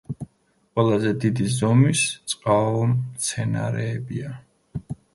ყველაზე დიდი ზომის წყალმცენარეებია.